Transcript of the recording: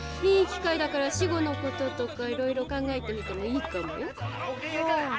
いい機会だから死後のこととかいろいろ考えてみてもいいかもよ。はあ。